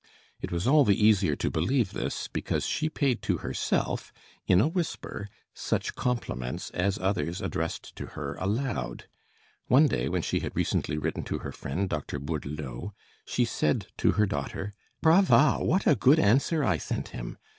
It was all the easier to believe this, because she paid to herself in a whisper such compliments as others addressed to her aloud. One day, when she had recently written to her friend Dr. Bourdelot, she said to her daughter, "Brava! what a good answer I sent him!